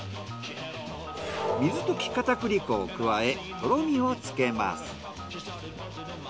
水溶き片栗粉を加えとろみをつけます。